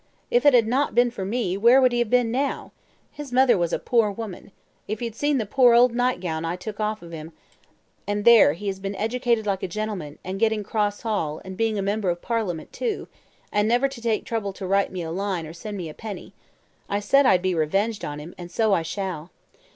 If it had not been for me, where would he have been now? His mother was a poor woman. If you'd seen the poor old nightgown I took off of him and there has he been educated like a gentleman, and getting Cross Hall, and being a member of Parliament too, and never to take trouble to write me a line or to send me a penny. I said I'd be revenged on him, and so I shall."